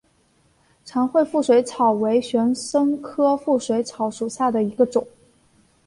长穗腹水草为玄参科腹水草属下的一个种。